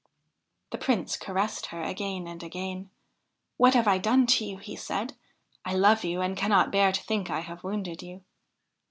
The Prince caressed her again and again. ' What have I done to you?' he said. 'I love you, and I cannot bear to think I have wounded you.'